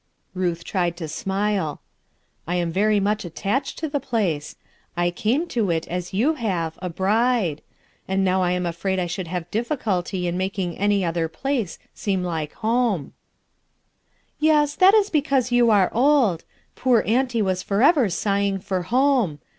Ruth tried to smile* "I am very much at tached to the place. I came to it, as you have, a bride; and now I am afraid I should have diffi culty in making any other place seem like home/' "Yes, that is because you are old. Poor auntie was forever sighing for home.